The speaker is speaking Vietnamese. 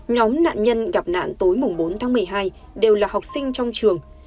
nhóm nạn nhân gặp nạn tối bốn tháng một mươi hai đều là học sinh trong trường